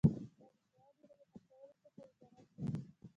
دا د شیانو د خرڅولو څخه عبارت دی.